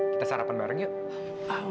kita sarapan bareng yuk